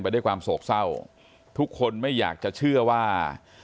ด้วยความโศกเศร้าทุกคนไม่อยากจะเชื่อว่า